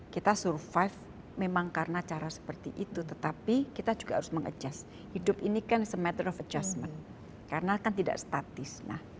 kita survive memang karena cara seperti itu tetapi kita juga harus mengadjust hidup ini kan is a metro of adjustment karena kan tidak statis